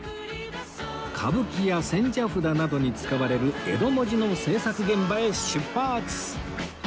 歌舞伎や千社札などに使われる江戸文字の制作現場へ出発！